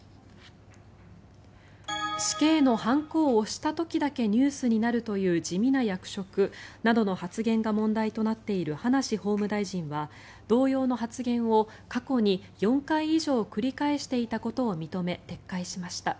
死刑の判子を押した時だけニュースになるという地味な役職などとの発言が問題となっている葉梨法務大臣は同様の発言を過去に４回以上繰り返していたことを認め撤回しました。